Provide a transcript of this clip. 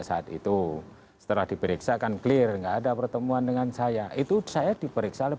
saat itu setelah diperiksa kan clear enggak ada pertemuan dengan saya itu saya diperiksa oleh